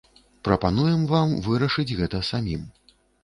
Прапануем вам вырашыць гэта самім.